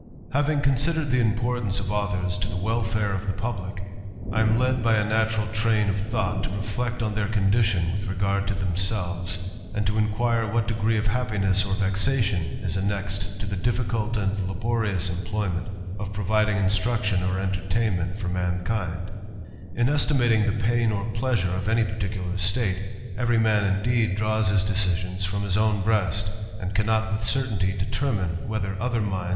JJAVING considered the importance of authors to the wel&re of the publick, I am led by a natural train ^ thought, to reflect on their condition with regard to "'^^selves ; and to inquire what degree of happiness ^ Vexation is annexed to the difficult and laborious ^Ployment of providing instruction or entertainment for Iri estimating the pain or pleasure of any particular state, ^^ man, indeed, draws his decisions from his own breast, *^^ cannot with certainty determine, whether other minds